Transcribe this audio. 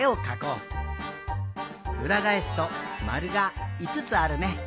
うらがえすとまるがいつつあるね。